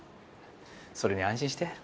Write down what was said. それに安心して。